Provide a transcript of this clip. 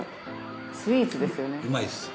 スイーツですよね。